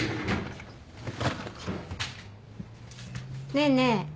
ねえねえ。